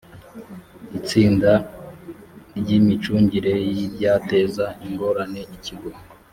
itsinda ry imicungire y ibyateza ingorane ikigo